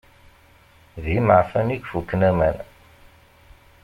D imeɛfan i ifuken aman.